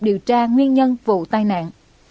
điều tra nguyên nhân vụ tai nạn